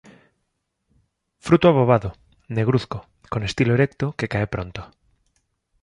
Fruto obovado, negruzco, con estilo erecto que cae pronto.